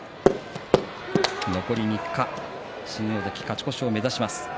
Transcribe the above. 残り３日、新大関勝ち越しを目指します。